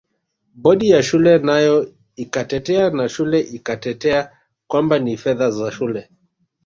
Bodi ya shule nayo ikatetea na shule ikatetea kwamba ni fedha za shule